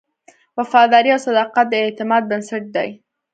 وفاداري او صداقت د اعتماد بنسټ دی.